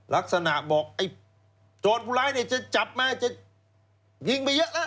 ลักษณะบอกไอ้โจทย์พูดร้ายจะจับมาจะยิงไปเยอะแล้ว